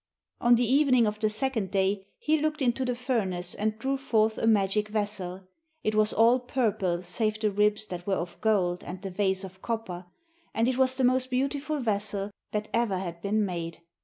On the evening of the second day he looked into the furnace and drew forth a magic vessel. It was all purple, save the ribs that were of gold and the vase of copper, and it was the most beautiful vessel that ever had been made.